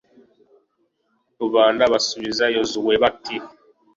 rubanda basubiza yozuwe bati